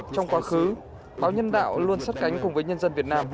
trong quá khứ báo nhân đạo luôn sắt cánh cùng với nhân dân việt nam